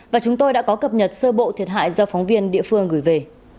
và chúng tôi đã có cập nhật sơ bộ thiệt hại do phóng viên địa phương gửi về